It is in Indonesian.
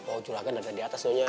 oh curagan ada di atas nyonya